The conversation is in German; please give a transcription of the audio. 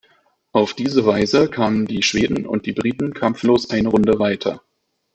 Auf diese Weise kamen die Schweden und die Briten kampflos eine Runde weiter.